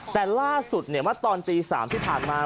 แต่ล่าสุดเมื่อตอนตี๓ที่ผ่านมา